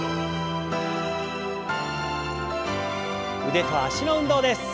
腕と脚の運動です。